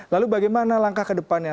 lalu bagaimana langkah kedepannya